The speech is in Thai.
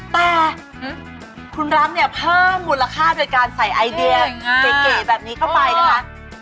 แต่คุณรักเนี่ยเพิ่มมูลค่าโดยการใส่ไอเดียเก๋แบบนี้เข้าไปนะคะ